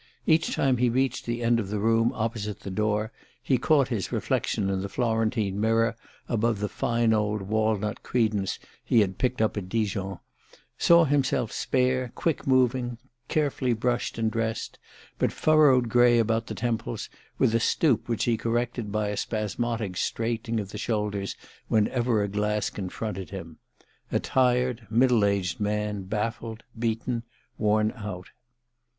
Each time he reached the end of the room opposite the door he caught his reflection in the Florentine mirror above the fine old walnut credence he had picked up at Dijon saw himself spare, quick moving, carefully brushed and dressed, but furrowed, gray about the temples, with a stoop which he corrected by a spasmodic straightening of the shoulders whenever a glass confronted him: a tired middle aged man, baffled, beaten, worn out.